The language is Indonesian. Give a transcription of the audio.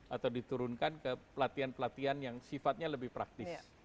atau diturunkan ke pelatihan pelatihan yang sifatnya lebih praktis